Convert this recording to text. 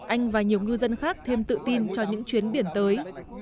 anh và nhiều ngư dân khác thêm tự tin cho những chuyến biển tới